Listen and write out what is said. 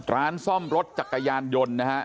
ร้านซ่อมรถจักรยานยนต์นะฮะ